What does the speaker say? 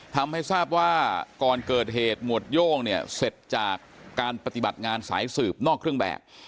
ทำให้ทราบว่าก่อนเกิดเหตุหมวดโย่งเนี่ยเสร็จจากการปฏิบัติงานสายสืบนอกเครื่องแบบ